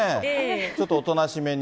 ちょっとおとなしめに。